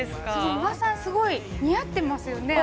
◆宇賀さん、すごい似合ってますよね。